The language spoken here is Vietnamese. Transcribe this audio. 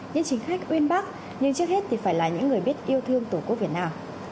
những chính khách uyên bác nhưng trước hết thì phải là những người biết yêu thương tổ quốc việt nam